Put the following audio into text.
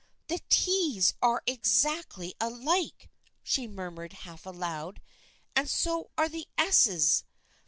" The T's are exactly alike," she murmured half aloud, "and so are the S's.